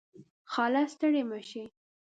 خاله . ستړې مشې